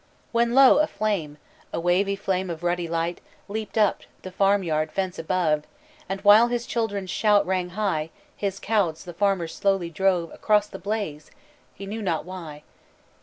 "When lo! a flame, A wavy flame of ruddy light Leaped up, the farmyard fence above. And while his children's shout rang high, His cows the farmer slowly drove Across the blaze, he knew not why."